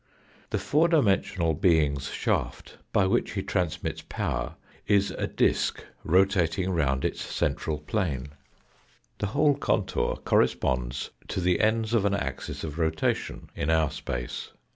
The four dimensional being's shaft by which he trans mits power is a disk rotating round its central plane 72 THE FOURTH DIMENSION the whole contour corresponds to the ends of an axis of rotation in our space.